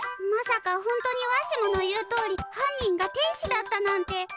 まさか本当にわしもの言うとおりはん人が天使だったなんて。